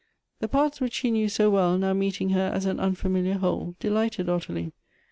The parts which she knew so well now meeting her as an unfamiliar whole, delighted Ottilie.